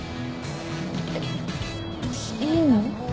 えっいいの？